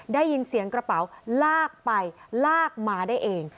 ได้ยินเสียงกระเป๋าลากไปลากมาได้เอง